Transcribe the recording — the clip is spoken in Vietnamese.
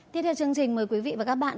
tiếp theo chương trình mời quý vị và các bạn